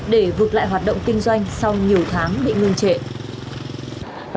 để vực lại hoạt động kinh doanh sau nhiều tháng bị ngưng trệ